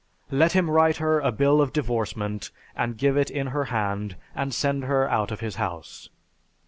"Let him write her a bill of divorcement and give it in her hand and send her out of his house."